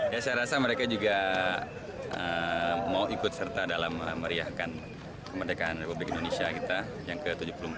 ya saya rasa mereka juga mau ikut serta dalam meriahkan kemerdekaan republik indonesia kita yang ke tujuh puluh empat